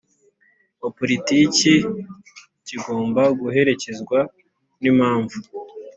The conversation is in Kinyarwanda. wa Politiki kigomba guherekezwa n impamvu